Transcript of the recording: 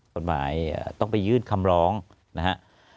กฎหมายต้องไปยื่นคำร้องนะครับ